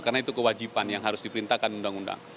karena itu kewajiban yang harus diperintahkan undang undang